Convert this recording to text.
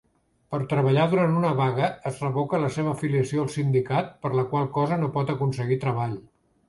Per treballar durant una vaga, es revoca la seva afiliació al sindicat, per la qual cosa no pot aconseguir treball.